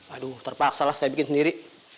aduh terpaksalah saya bikin sendiri